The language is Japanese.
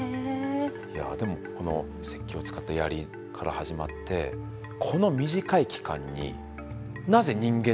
いやでも石器を使った槍から始まってこの短い期間になぜ人間だけがここまで進化できたのか。